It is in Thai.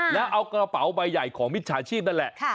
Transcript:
แล้วเอากระเป๋าใบใหญ่ของมิจฉาชีพนั่นแหละ